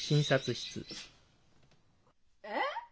・えっ？